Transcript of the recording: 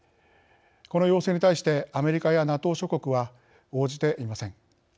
この要請に対して、アメリカやＮＡＴＯ諸国は応じていません。